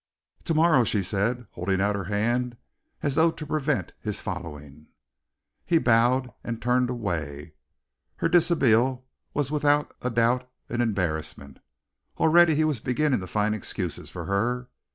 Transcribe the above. "To morrow," she said, holding out her hand as though to prevent his following. He bowed and turned away. Her deshabille was without doubt an embarrassment Already he was beginning to find excuses for her.